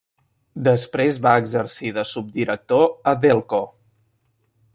Després va exercir de subdirector a Delco.